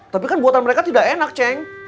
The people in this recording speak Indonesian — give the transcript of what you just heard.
tapi kan buatan mereka tidak enak ceng